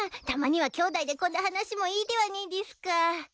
たまにはきょうだいでこんな話もいいではねいでぃすか。